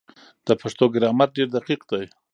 د پښتو ګرامر ډېر دقیق دی.